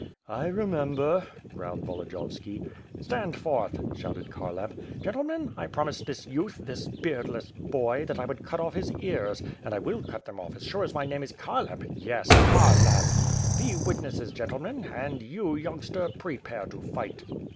"I remember!" growled Volodiyovski. "Stand forth!" shouted Kharlamp. "Gentlemen, I prom ised this youth, this beardless boy, that I would cut off his ears, and I will cut them off, as sure as my name is Khar lamp. Yes, Kharlamp! Be witnesses, gentlemen; and you, youngster, prepare to fight!"